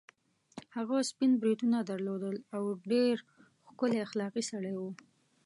هغه سپین بریتونه درلودل او ډېر ښکلی اخلاقي سړی وو.